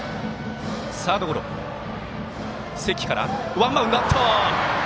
ワンバウンドになった。